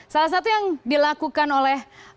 salah satu yang dilakukan oleh